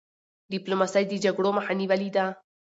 ډيپلوماسی د جګړو مخه نیولې ده.